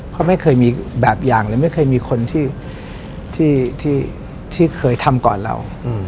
เพราะไม่เคยมีแบบอย่างเลยไม่เคยมีคนที่เคยทำก่อนเรา